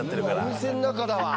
お店の中だわ。